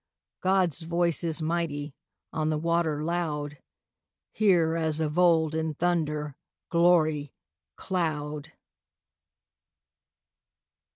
God's voice is mighty, on the water loud, Here, as of old, in thunder, glory, cloud!